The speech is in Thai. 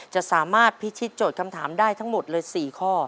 จะสามารถพิชิตโจทย์คำถามได้ทั้งหมดเลย๔ข้อ